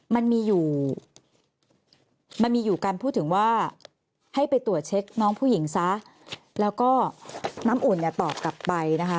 มันมีอยู่มันมีอยู่การพูดถึงว่าให้ไปตรวจเช็คน้องผู้หญิงซะแล้วก็น้ำอุ่นเนี่ยตอบกลับไปนะคะ